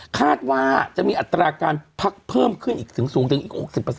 คาดว่าจะมีอัตราการพักเพิ่มขึ้นอีกถึงสูงถึงอีก๖๐